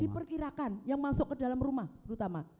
diperkirakan yang masuk ke dalam rumah terutama